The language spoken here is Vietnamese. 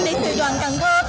đến từ đoàn cần thu